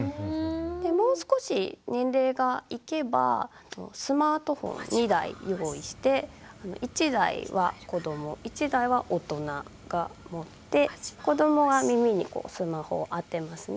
もう少し年齢がいけばスマートフォン２台用意して１台は子ども１台は大人が持って子どもが耳にスマホを当てますね。